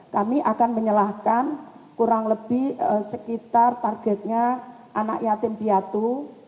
kami akan menyalahkan kurang lebih sekitar targetnya anak yatim piatu